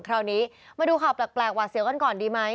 คราวนี้มาดูข่าวแปลกหวาดเสียวกันก่อนดีไหม